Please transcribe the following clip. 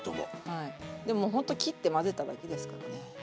はいでもほんと切って混ぜただけですからね。